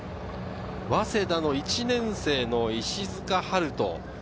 早稲田の１年生・石塚陽士。